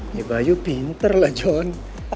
ya bayu pinter lah john